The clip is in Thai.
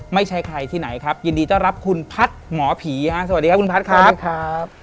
ไม่ใช่ใครที่ไหนครับยินดีต้อนรับคุณพัฒน์หมอผีฮะสวัสดีครับคุณพัฒน์ครับ